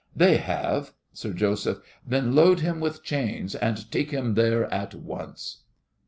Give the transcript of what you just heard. They have! SIR JOSEPH. Then load him with chains and take him there at once!